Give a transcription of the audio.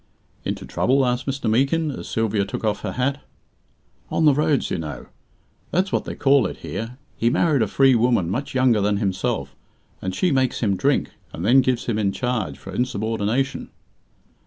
"Into trouble?" asked Mr. Meekin, as Sylvia took off her hat. "On the roads, you know. That's what they call it here. He married a free woman much younger than himself, and she makes him drink, and then gives him in charge for insubordination."